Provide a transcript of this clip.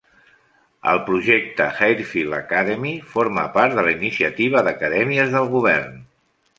El projecte Harefield Academy forma part de la iniciativa d'Acadèmies del Govern.